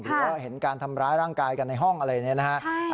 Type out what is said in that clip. ว่าเห็นการทำร้ายร่างกายกันในห้องอะไรเนี่ยนะฮะ